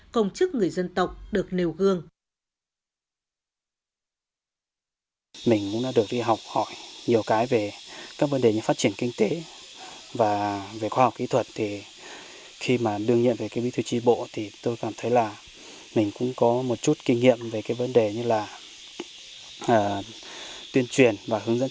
công chức người dân tộc được nêu gương